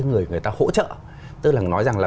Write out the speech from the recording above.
người người ta hỗ trợ tức là nói rằng là